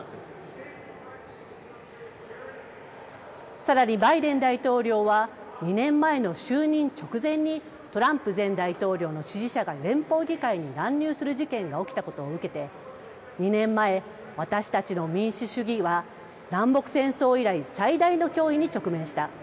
さらにバイデン大統領は２年前の就任直前にトランプ前大統領の支持者が連邦議会に乱入する事件が起きたことを受けて２年前、私たちの民主主義は南北戦争以来、最大の脅威に直面した。